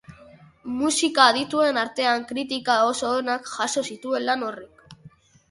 Musika adituen artean kritika oso onak jaso zituen lan horrek.